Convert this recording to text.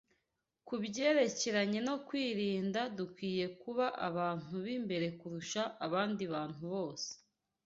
Ku byerekeranye no kwirinda, dukwiriye kuba abantu b’imbere kurusha abandi bantu bose;